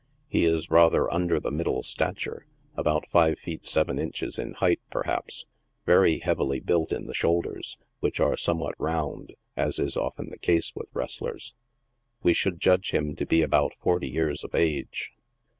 He is rather under the mid dle stature — about five feet seven inches in height, perhaps — very heavily built in the shoulders, which are somewhat round, as is often the case with wrestlers. We should judge him to be about forty years of age.